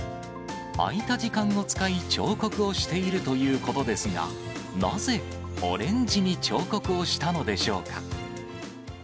空いた時間を使い、彫刻をしているということですが、なぜオレンジに彫刻をしたのでしょうか。